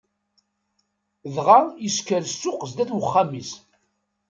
Dɣa yesker ssuq sdat uxxam-is.